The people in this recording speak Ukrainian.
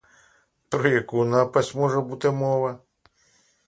Про яку напасть може бути мова?